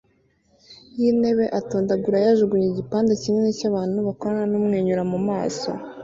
yintebe atondagura yajugunye igipande kinini cyabantu bakorana numwenyura mumaso